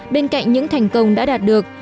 bên cạnh những thành công đã đạt được